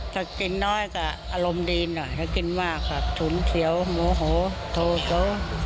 ถ้ากินน้อยก็อารมณ์ดีหน่อยถ้ากินมากค่ะถุนเฉียวโมโหโทโส